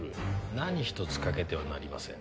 何一つ欠けてはなりません。